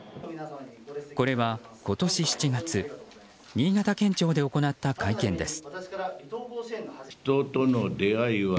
これは今年７月新潟県庁で行った会見です。